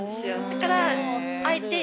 だから。